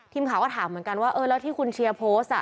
ทีมข่าวก็ถามเหมือนกันว่าเออแล้วที่คุณเชียร์โพสต์